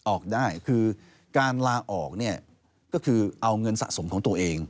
ออกได้คือการลาออกเนี่ยก็คือเอาเงินสะสมของตัวเอง